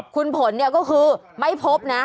คุณผลเนี่ยก็คือไม่พบนะ